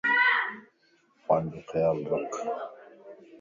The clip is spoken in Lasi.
پانجو خيال رکَ